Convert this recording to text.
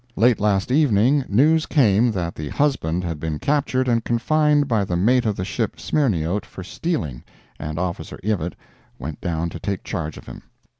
Late last evening, news came that the husband had been captured and confined by the mate of the ship Smyrniote, for stealing, and Officer Evatt went down to take charge of him.